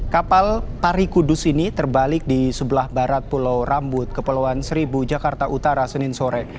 kapal pari kudus ini terbalik di sebelah barat pulau rambut kepulauan seribu jakarta utara senin sore